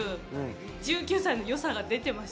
１９歳の良さが出てまし